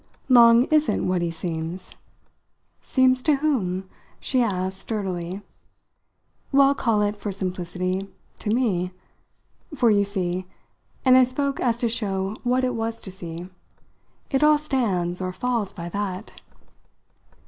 "Long isn't what he seems?" "Seems to whom?" she asked sturdily. "Well, call it for simplicity to me. For you see" and I spoke as to show what it was to see "it all stands or falls by that."